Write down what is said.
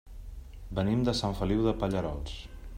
Venim de Sant Feliu de Pallerols.